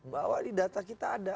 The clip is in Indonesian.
bahwa di data kita ada